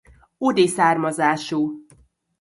Udi származású.